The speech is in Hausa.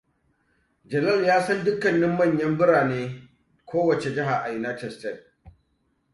Jalal ya san dukkanin manyan biraneb ko wace jiha a United States.